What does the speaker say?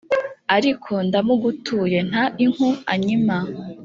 Ariko ndamugutuye ntainku anyima